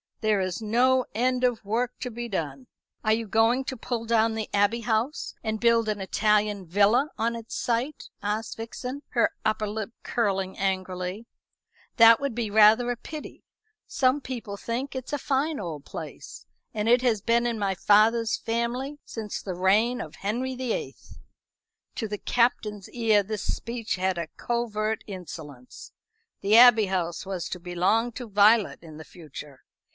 There is no end of work to be done." "Are you going to pull down the Abbey House and build an Italian villa on its site?" asked Vixen, her upper lip curling angrily. "That would be rather a pity. Some people think it a fine old place, and it has been in my father's family since the reign of Henry the Eighth." To the Captain's ear this speech had a covert insolence. The Abbey House was to belong to Violet in the future.